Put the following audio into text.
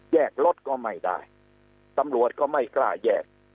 รถก็ไม่ได้ตำรวจก็ไม่กล้าแยก